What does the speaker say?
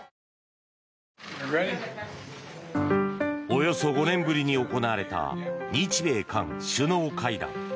およそ５年ぶりに行われた日米韓首脳会談。